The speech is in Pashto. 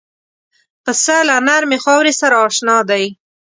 پسه له نرمې خاورې سره اشنا دی.